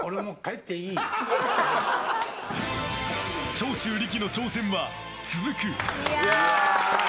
長州力の挑戦は続く！